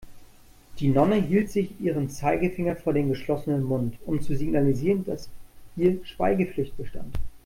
Die Nonne hielt sich ihren Zeigefinger vor den geschlossenen Mund, um zu signalisieren, dass hier Schweigepflicht bestand.